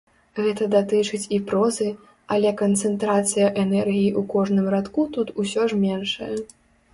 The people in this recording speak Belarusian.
Гэта датычыць і прозы, але канцэнтрацыя энергіі ў кожным радку тут усё ж меншая.